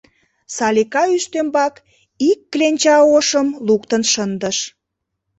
Салика ӱстембак ик кленча ошым луктын шындыш.